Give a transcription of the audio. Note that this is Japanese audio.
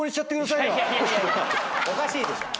おかしいでしょ。